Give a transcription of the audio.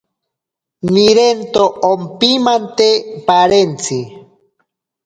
Nirento ompimante parentzi.